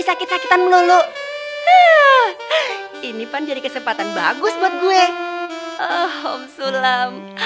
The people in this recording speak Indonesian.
sakit sakitan melulu ini pan jadi kesempatan bagus buat gue oh sulam